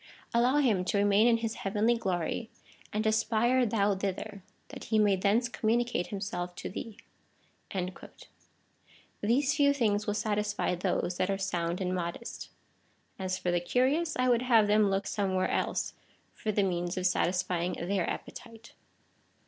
Allow him to remain in his heavenly glory, and aspire thou thither,^ that he may thence communicate himself to thee." These few things will satisfy those that are sound and modest. As for the curious, I would have them look some where else for the means of satisfying their appetite.